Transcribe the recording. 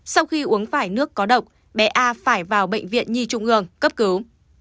sau khi uống phải nước có độc bé a phải vào bệnh viện nhi trung ương cấp cứu